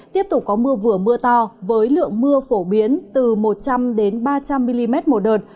tiếp tục có mưa vừa mưa to với lượng mưa phổ biến từ một trăm linh ba trăm linh mm một đợt